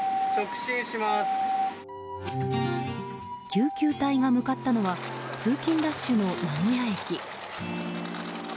救急隊が向かったのは通勤ラッシュの名古屋駅。